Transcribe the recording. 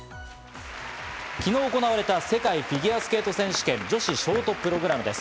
昨日行われた、世界フィギュアスケート選手権・女子ショートプログラムです。